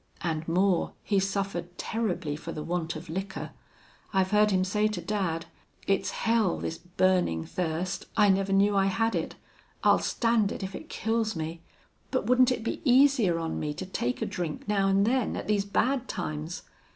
And more, he's suffered terribly for the want of liquor. I've heard him say to dad: 'It's hell this burning thirst. I never knew I had it. I'll stand it, if it kills me.... But wouldn't it be easier on me to take a drink now and then, at these bad times?'...